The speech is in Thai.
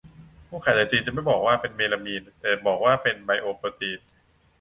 ผู้ขายจากจีน จะไม่บอกว่าเป็นเมลามีน แต่บอกว่าเป็นไบโอโปรตีน